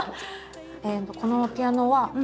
このピアノは。